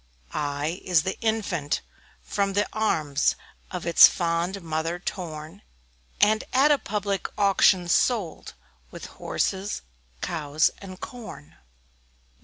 I I is the Infant, from the arms Of its fond mother torn, And, at a public auction, sold With horses, cows, and corn.